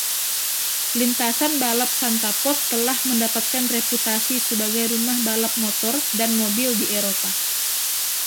Lintasan balap Santa Pod telah mendapatkan reputasi sebagai rumah balap motor dan mobil di Eropa.